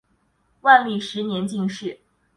万历十年进士。